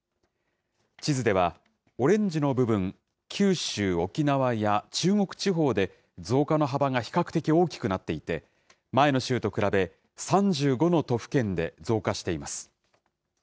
地図ではオレンジの部分、九州、沖縄や中国地方で、増加の幅が比較的大きくなっていて、前の週と比べ、３５の都府県で増加しています。